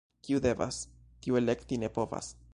Kiu devas, tiu elekti ne povas.